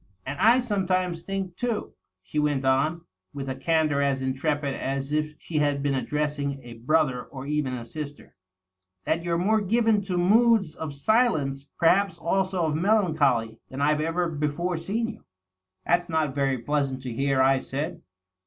" And I sometimes think, too,'* she went on, with a candor as intrepid as if she had been addressing a brother or even a sister, " that you're more given to moods of silence perhaps also of melancholy — ^than Fve ever before seen you/' " That's not very pleasant to hear," I said.